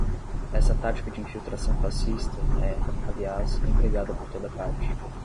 Essa tática de infiltração fascista é, aliás, empregada por toda parte